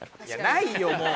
ないよもう！